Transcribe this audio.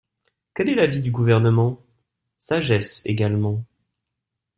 Quel est l’avis du Gouvernement ? Sagesse également.